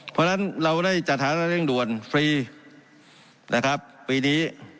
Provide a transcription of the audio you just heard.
เพราะฉะนั้นเราได้จัดฐานะเร่งด่วนฟรีนะครับปีนี้